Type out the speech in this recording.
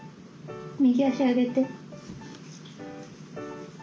右足上げて。